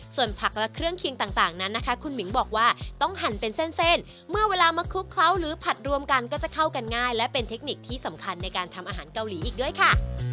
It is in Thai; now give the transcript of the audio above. ส่วนผักและเครื่องเคียงต่างนั้นนะคะคุณหมิงบอกว่าต้องหั่นเป็นเส้นเมื่อเวลามาคลุกเคล้าหรือผัดรวมกันก็จะเข้ากันง่ายและเป็นเทคนิคที่สำคัญในการทำอาหารเกาหลีอีกด้วยค่ะ